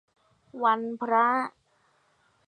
วันพระ